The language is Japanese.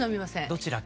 どちらか？